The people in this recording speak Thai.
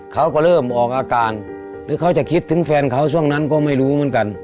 เขาก็เริ่มออกอาการหรือเขาจะคิดถึงแฟนเขาช่วงนั้นก็ไม่รู้เหมือนกัน